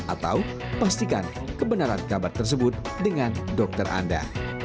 atau pastikan kebenaran kabar tersebut dengan dokter anda